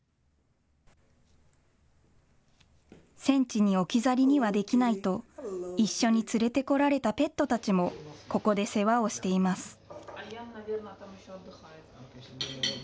戦地に置き去りにはできないと一緒に連れてこられたペットたちもここで世話をしています。